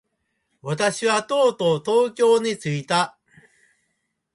私はとうとう東京に着いた。